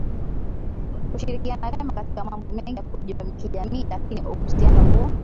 kushirikiana vema katika mambo mengi ya kijamii lakini uhusiano huo